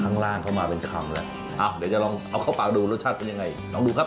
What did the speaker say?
ข้างล่างเข้ามาเป็นคำแล้วอ้าวเดี๋ยวจะลองเอาข้าวเปล่าดูรสชาติเป็นยังไงลองดูครับ